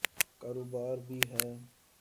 کاروبار بھی ہے۔